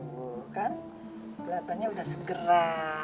tuh kan kelihatannya udah segera